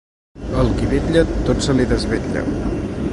Al qui vetlla, tot se li desvetlla.